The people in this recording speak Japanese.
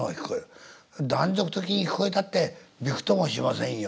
断続的に聞こえたってビクともしませんよ